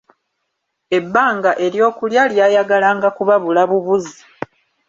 Ebbanga ery'okulya lyayagalanga kubabula bubuzi.